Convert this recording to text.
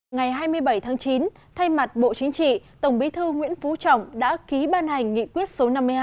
ngày hai mươi bảy tháng chín thay mặt bộ chính trị tổng bí thư nguyễn phú trọng đã ký ban hành nghị quyết số năm mươi hai